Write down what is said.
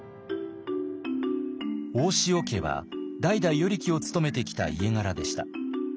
大塩家は代々与力を務めてきた家柄でした。